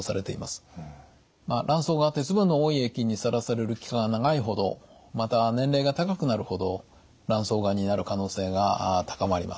卵巣が鉄分の多い液にさらされる期間が長いほどまた年齢が高くなるほど卵巣がんになる可能性が高まります。